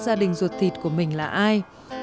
gia đình ruột thịt của mình là ai